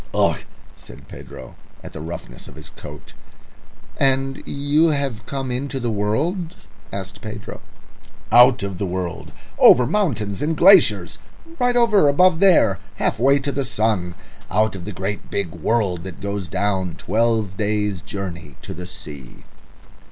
"Ugh!" said Pedro, at the roughness of his coat. "And you have come into the world?" asked Pedro. "Out of the world. Over mountains and glaciers; right over above there, half way to the sun. Out of the great big world that goes down, twelve days' journey to the sea."